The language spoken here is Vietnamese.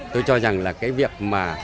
tôi cho rằng là cái việc mà